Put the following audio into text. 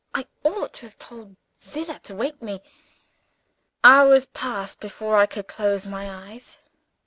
I ought to have told Zillah to call me. Hours passed before I could close my eyes.